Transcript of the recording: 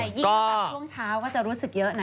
ยิ่งมาแบบช่วงเช้าก็จะรู้สึกเยอะนะ